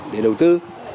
để đầu tư